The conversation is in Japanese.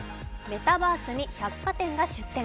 メタバースに百貨店が出店。